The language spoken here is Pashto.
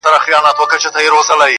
هر نسل يې يادوي بيا بيا,